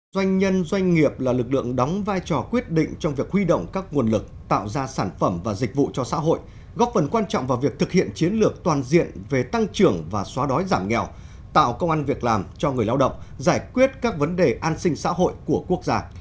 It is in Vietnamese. doanh nhân doanh nghiệp là lực lượng đóng vai trò quyết định trong việc huy động các nguồn lực tạo ra sản phẩm và dịch vụ cho xã hội góp phần quan trọng vào việc thực hiện chiến lược toàn diện về tăng trưởng và xóa đói giảm nghèo tạo công an việc làm cho người lao động giải quyết các vấn đề an sinh xã hội của quốc gia